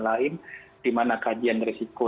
lain di mana kajian resiko